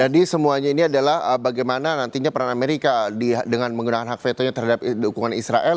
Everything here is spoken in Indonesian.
jadi semuanya ini adalah bagaimana nantinya peran amerika dengan menggunakan hak vetonya terhadap hukuman israel